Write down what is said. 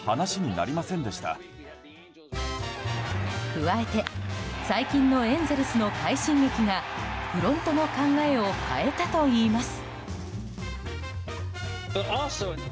加えて最近のエンゼルスの快進撃がフロントの考えを変えたといいます。